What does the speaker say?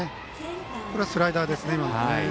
今のはスライダーですね。